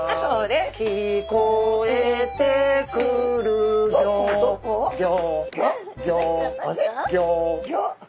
「聞こえてくるよ」